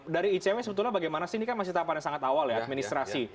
dari icw sebetulnya bagaimana sih ini kan masih tahapan yang sangat awal ya administrasi